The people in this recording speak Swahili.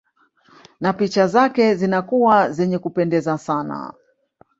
Na picha zake zinakuwa zenye kupendeza sana